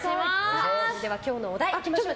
今日のお題いきましょうか。